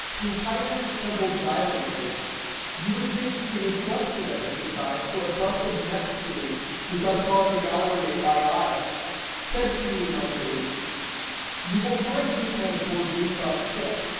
Tryphaena trembled violently, "You would think we had slept together," she cried, "for a bust of Neptune, which I saw in the gallery at Baiae, said to me, in my dream You will find Giton aboard Lycas' ship!"